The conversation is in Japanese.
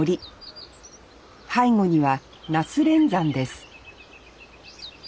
背後には那須連山です